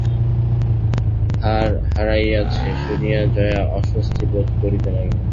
হার হারাইয়াছে শুনিয়া জয়া অস্বস্তিবোধ করিতে লাগিল।